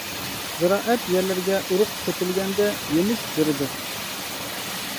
زىرائەت يەرلىرىگە ئۇرۇق سېپىلگەندە يېمىش بېرىدۇ.